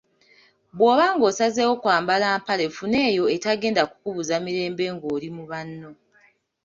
Bw’oba ng’osazeewo kwambala mpale funa eyo etagenda kukubuza mirembe ng’oli mu banno.